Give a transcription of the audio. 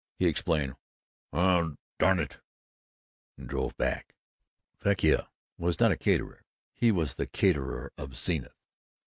He explained, "Well, darn it " and drove back. Vecchia was not a caterer, he was The Caterer of Zenith.